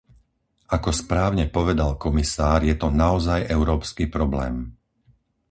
Ako správne povedal komisár, je to naozaj európsky problém.